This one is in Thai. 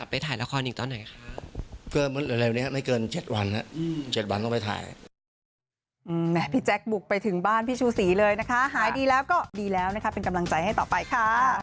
พี่แจ๊คบุกไปถึงบ้านพี่ชูศรีเลยนะคะหายดีแล้วก็ดีแล้วนะคะเป็นกำลังใจให้ต่อไปค่ะ